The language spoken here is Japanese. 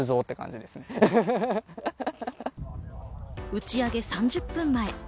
打ち上げ３０分前。